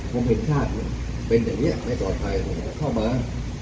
ผมเห็นชาติเป็นแต่เนี่ยไม่ต่อใจผมจะเข้ามา